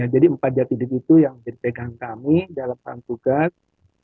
jadi empat jati diri itu yang dipegang kami dalam hal tugas